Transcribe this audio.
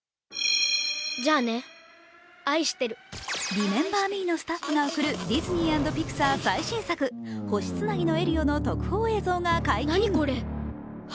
「リメンバー・ミー」のスタッフが送るディズニー＆ピクサー最新作、「星つなぎのエリオ」の特報映像が解禁。